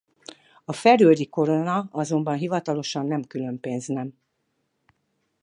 A feröeri korona azonban hivatalosan nem külön pénznem.